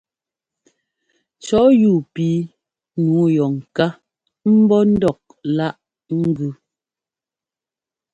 Cɔ̌ yúu píi nǔu yɔ ŋká ḿbɔ́ ńdɔk láꞌ ŋ́gʉ.